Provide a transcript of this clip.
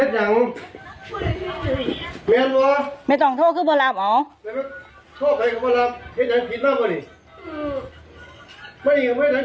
ตามมากค่ะดูความสงสารมากหนึ่ง